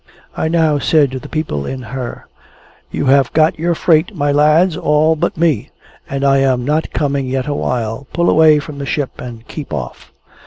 I now said to the people in her, "You have got your freight, my lads, all but me, and I am not coming yet awhile. Pull away from the ship, and keep off!"